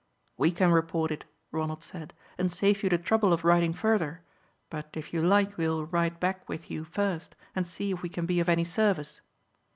"We can report it," Ronald said, "and save you the trouble of riding further; but if you like we will ride back with you first, and see if we can be of any service."